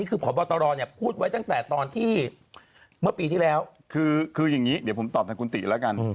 คืออย่างนี้เดี๋ยวผมตอบกับคุณติแล้วกัน